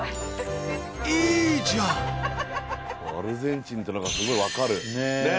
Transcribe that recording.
アルゼンチンっていうのがすごいわかる。ねぇ。